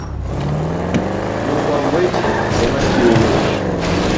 Jofwamb weche ema chiwo weche